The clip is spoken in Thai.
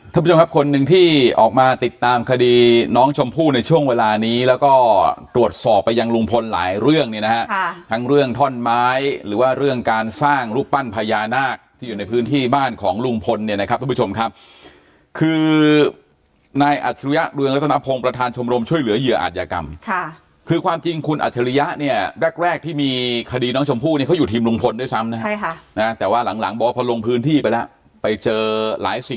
ท่านผู้ชมครับคนหนึ่งที่ออกมาติดตามคดีน้องชมพู่ในช่วงเวลานี้แล้วก็ตรวจสอบไปยังลุงพลหลายเรื่องเนี้ยนะฮะค่ะทั้งเรื่องท่อนไม้หรือว่าเรื่องการสร้างรูปปั้นพญานาคที่อยู่ในพื้นที่บ้านของลุงพลเนี้ยนะครับท่านผู้ชมครับคือในอัจฉริยะเรืองรัฐนาภงประธานชมรมช่วยเหลือเหยื่ออาจยากรรมค่ะคือความ